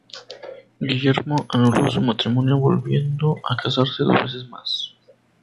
Guillermo anuló su matrimonio, volviendo a casarse dos veces más.